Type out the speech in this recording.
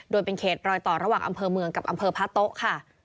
โดยเป็นเขตรอยต่อระหว่างอำเภอเมืองกับอำเภอพระโต๊ะค่ะ